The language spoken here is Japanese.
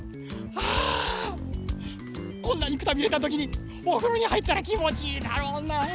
こんなにくたびれたときにおふろにはいったらきもちいいだろうな。